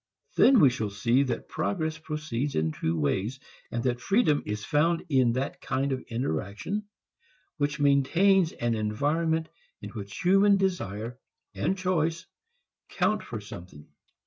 Then we shall see that progress proceeds in two ways, and that freedom is found in that kind of interaction which maintains an environment in which human desire and choice count for something.